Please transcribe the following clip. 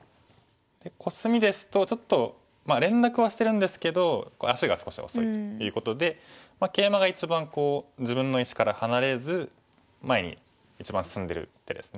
コスミですとちょっと連絡はしてるんですけど足が少し遅いということでケイマが一番自分の石から離れず前に一番進んでる手です。